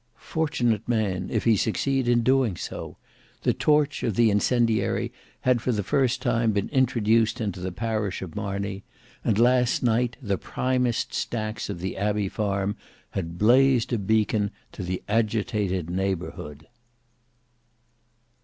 Fortunate man if he succeed in doing so! The torch of the incendiary had for the first time been introduced into the parish of Marney; and last night the primest stacks of the Abbey farm had blazed a beacon to the agitated neighbourhood.